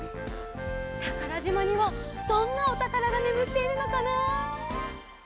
たからじまにはどんなおたからがねむっているのかな？